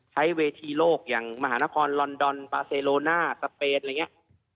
ใช้เวทีโลกอย่างมหานครลอนดอนปาเซโลน่าสเปนอะไรอย่างนี้